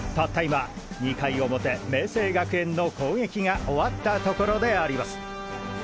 今２回表明青学園の攻撃が終わったところであります。